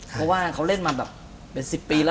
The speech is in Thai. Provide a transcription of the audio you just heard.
เพราะว่าเขาเล่นมาแบบเป็น๑๐ปีแล้ว